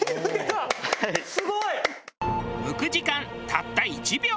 すごい！むく時間たった１秒。